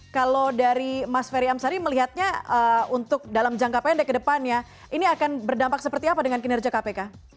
kalau dari mas ferry amsari melihatnya untuk dalam jangka pendek ke depannya ini akan berdampak seperti apa dengan kinerja kpk